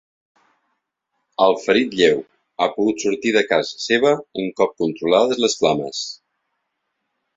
El ferit lleu ha pogut sortir de casa seva un cop controlades les flames.